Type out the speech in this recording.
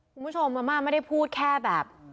คุณผู้ชมอาม่าไม่ได้พูดแค่แบบ